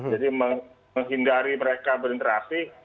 jadi menghindari mereka berinteraksi